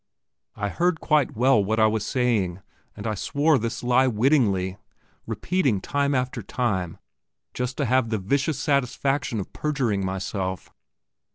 I heard quite well what I was saying, and I swore this lie wittingly; repeating time after time, just to have the vicious satisfaction of perjuring myself.